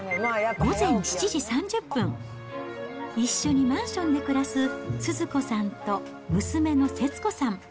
午前７時３０分、一緒にマンションで暮らすスズ子さんと娘の節子さん。